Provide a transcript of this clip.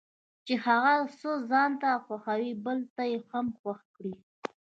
چې هغه څه ځانته خوښوي بل ته یې هم خوښ کړي.